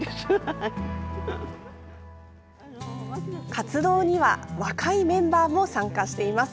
活動には若いメンバーも参加しています。